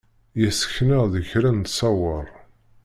Yessken-aɣ-d kra n ttṣawer.